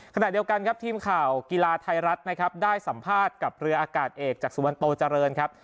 ขณะเดียวกันครับทีมข่าวกีฬาไทยรัฐนะครับได้สัมภาษณ์กับเรืออากาศเอกจากสุวรรณโตเจริญครับ